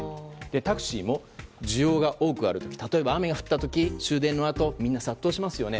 タクシーも需要が多くある時例えば、雨が降ったとき終電のあとみんな殺到しますよね。